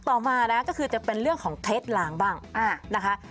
ต่อมานะก็คือจะเป็นเรื่องของเท็จล้างบ้างนะคะ